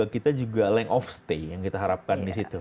kita juga juga langkah tinggal yang kita harapkan di situ